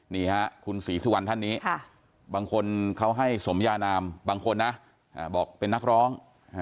นี่ฮะคุณศรีสุวรรณท่านนี้บางคนเขาให้สมยานามบางคนนะบอกเป็นนักร้อง